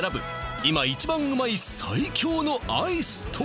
今一番うまい最強のアイスとは？